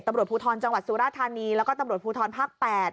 ตำรวจภูทรจังหวัดสุราธานีแล้วก็ตำรวจภูทรภาค๘